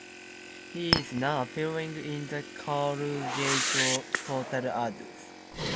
He is now appearing in the Colgate Total ads.